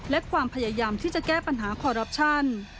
และความพยายามที่จะแก้ปัญหาคอรัปชั่น